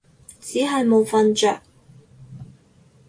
只係冇瞓着